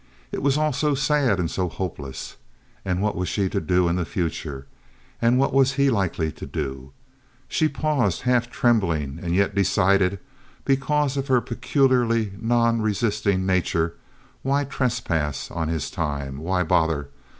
It was all so sad and so hopeless. And what was she to do in the future? And what was he likely to do? She paused half trembling and yet decided, because of her peculiarly nonresisting nature—why trespass on his time? Why bother?